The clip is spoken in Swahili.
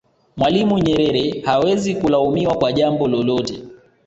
mwalimu nyerere hawezi kulaumiwa kwa jambo lolote